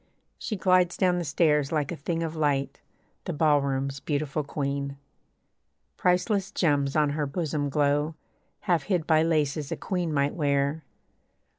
She glides down the stairs like a thing of light, The ballroom's beautiful queen. Priceless gems on her bosom glow Half hid by laces a queen might wear.